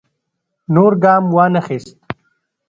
نور ګام وانه خیست.